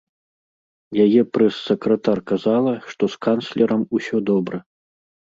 Яе прэс-сакратар казала, што з канцлерам усё добра.